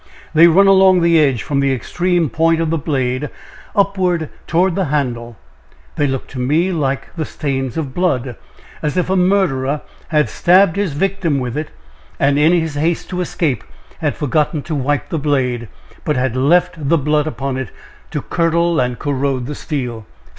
They run along the edge, from the extreme point of the blade, upwards toward the handle; they look to me like the stains of blood as if a murderer had stabbed his victim with it, and in his haste to escape had forgotten to wipe the blade, but had left the blood upon it, to curdle and corrode the steel.